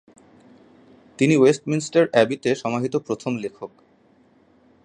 তিনি ওয়েস্টমিন্স্টার অ্যাবিতে সমাহিত প্রথম লেখক।